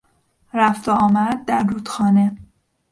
رفت و آمد در رودخانه